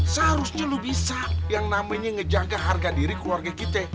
seharusnya lu bisa yang namanya ngejaga harga diri keluarga kita